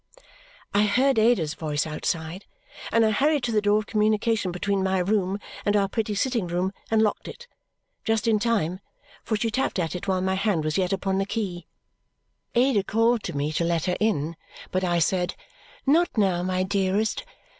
I heard Ada's voice outside, and I hurried to the door of communication between my room and our pretty sitting room, and locked it. Just in time, for she tapped at it while my hand was yet upon the key. Ada called to me to let her in, but I said, "Not now, my dearest.